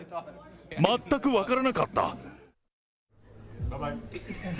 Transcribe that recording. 全く分からなかった。